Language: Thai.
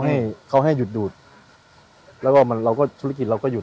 ให้เขาให้หยุดดูดแล้วก็มันเราก็ธุรกิจเราก็หุด